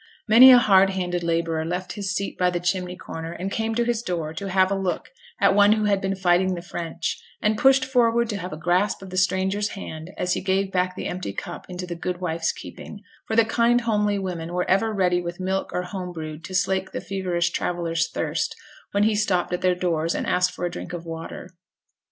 Many a hard handed labourer left his seat by the chimney corner, and came to his door to have a look at one who had been fighting the French, and pushed forward to have a grasp of the stranger's hand as he gave back the empty cup into the good wife's keeping, for the kind homely women were ever ready with milk or homebrewed to slake the feverish traveller's thirst when he stopped at their doors and asked for a drink of water.